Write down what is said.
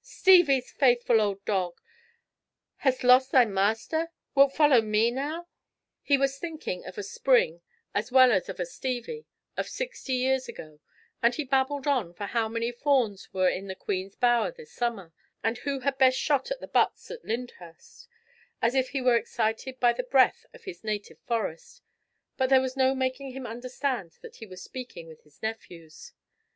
Stevie's faithful old dog. Hast lost thy master? Wilt follow me now?" He was thinking of a Spring as well as of a Stevie of sixty years ago, and he babbled on of how many fawns were in the Queen's Bower this summer, and who had best shot at the butts at Lyndhurst, as if he were excited by the breath of his native Forest, but there was no making him understand that he was speaking with his nephews.